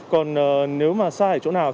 còn nếu mà xa ở chỗ nào